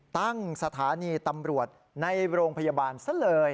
ตั้งสถานีตำรวจในโรงพยาบาลซะเลย